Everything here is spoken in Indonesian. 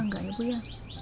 enggak ibu ya